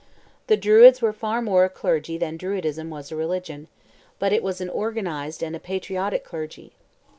The Druids were far more a clergy than Druidism was a religion; but it was an organized and a patriotic clergy.